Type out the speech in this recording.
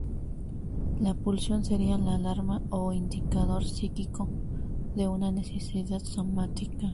La pulsión sería la alarma o indicador psíquico de una necesidad somática.